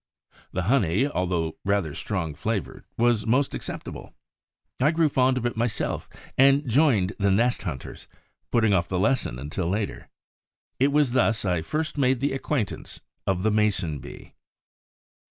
The honey, although rather strong flavored, was most acceptable. I grew fond of it myself, and joined the nest hunters, putting off the lesson until later. It was thus that I first made the acquaintance of the Mason bee.